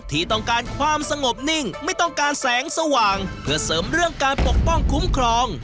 ที่ต้องการความสงบนิ่งไม่ต้องการแสงสว่างเพื่อเสริมเรื่องการปกป้องคุ้มครอง